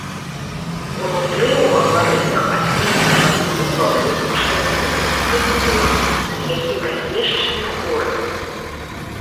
Унутры ў габарытах асноўнага зруба вылучаны вузкі прытвор, над якім размешчаны хоры.